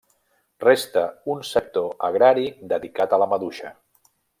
Resta un sector agrari dedicat a la maduixa.